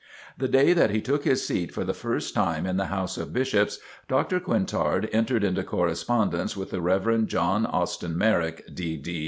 The day that he took his seat for the first time in the House of Bishops, Dr. Quintard entered into correspondence with the Rev. John Austin Merrick, D.D.